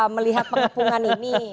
melihat pengepungan ini